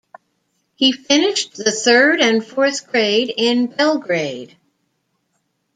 He finished the third and fourth grade in Belgrade.